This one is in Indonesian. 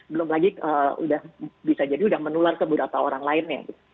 belum lagi bisa jadi sudah menular ke beberapa orang lainnya